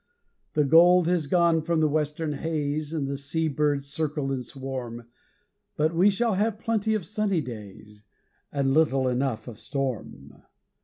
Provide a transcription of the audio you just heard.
The gold has gone from the western haze, The sea birds circle and swarm But we shall have plenty of sunny days, And little enough of storm.